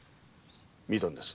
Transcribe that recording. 見たんです。